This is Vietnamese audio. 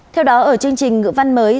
theo đó ở chương trình ngữ văn mới